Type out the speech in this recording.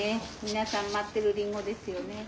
皆さん待ってるりんごですよね。